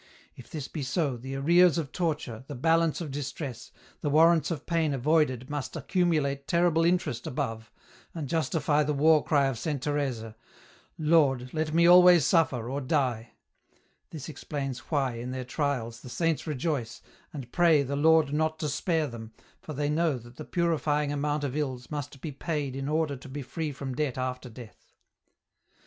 If this be so, the arrears of torture, the balance of distress, the warrants of pain avoided must accumulate terrible interest above, and justify the war cry of Saint Teresa, ' Lord, let me always suffer, or die ;' this explains why, in their trials, the saints rejoice, and pray the Lord not to spare them, for they know that the purifying amount of ills must be paid in order to be free from debt after death.